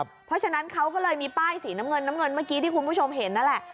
เพราะฉะนั้นเขาก็เลยมีป้ายสีน้ำเงินน้ำเงินเมื่อกี้ที่คุณผู้ชมเห็นนั่นแหละ